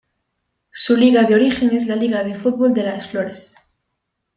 Su liga de origen es la Liga de fútbol de Las Flores.